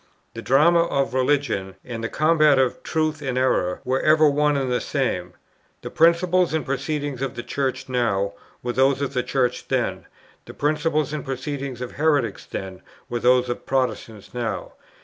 The drama of religion, and the combat of truth and error, were ever one and the same. The principles and proceedings of the Church now, were those of the Church then; the principles and proceedings of heretics then, were those of Protestants now.